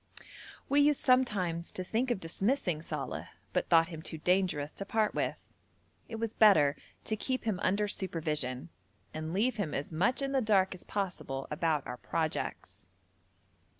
We used sometimes to think of dismissing Saleh, but thought him too dangerous to part with. It was better to keep him under supervision, and leave him as much in the dark as possible about our projects.